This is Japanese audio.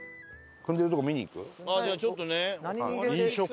あっじゃあちょっとね。